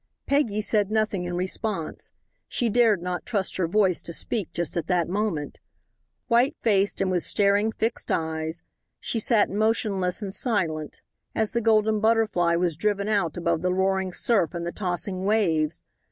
Peggy said nothing in response. She dared not trust her voice to speak just at that moment. White faced and with staring, fixed eyes, she sat motionless and silent, as the Golden Butterfly was driven out above the roaring surf and the tossing waves.